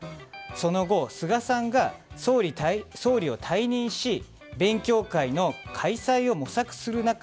その後、菅さんが総理を退任し勉強会の開催を模索する中